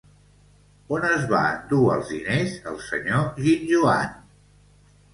On es va endur els diners, el senyor Ginjoan?